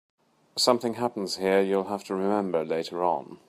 Something happens here you'll have to remember later on.